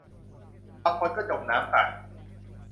บางคนก็จมน้ำตาย